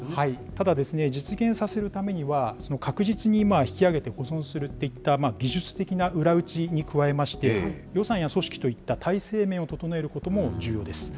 ただ、実現させるためには、確実に引き揚げて保存するといった、技術的な裏打ちに加えまして、予算や組織といった体制面を整えることも重要です。